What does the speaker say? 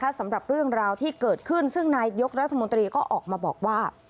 สำหรับเรื่องราวที่เกิดขึ้นซึ่งนายยกรัฐมนตรีก็ออกมาบอกว่า